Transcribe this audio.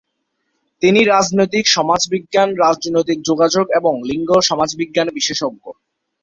তিনি রাজনৈতিক সমাজবিজ্ঞান, রাজনৈতিক যোগাযোগ এবং লিঙ্গ সমাজবিজ্ঞানে বিশেষজ্ঞ।